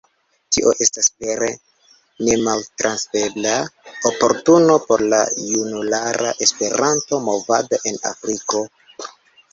Tio estas vere nemaltrafebla oportuno por la junulara Esperanto-movado en Afriko.